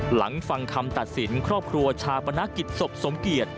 หลังฟังคำตัดสินครอบครัวชาปนกิจศพสมเกียจ